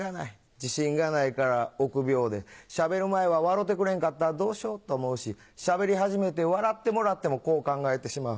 自信がないから臆病でしゃべる前は笑うてくれんかったらどうしようと思うししゃべり始めて笑ってもらってもこう考えてしまう。